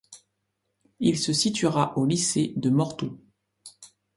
Il se situera au lycée de Morteau.